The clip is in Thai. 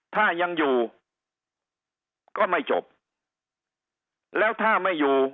ถ้ายังอยู่ก็ไม่จบแล้วถ้าไม่อยู่